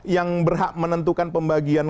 yang berhak menentukan pembagian